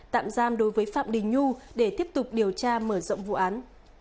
tạm giam đối với phạm đình nhu để tiếp tục điều tra mở rộng vụ án